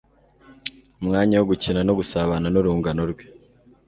umwanya wo gukina no gusabana n'urungano rwe